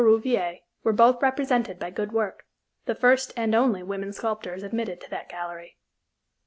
Rouvier, were both represented by good work the first and only women sculptors admitted to that gallery.